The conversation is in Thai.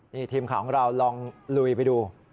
นี่ทีมข่าวของเราลองลุยไปดู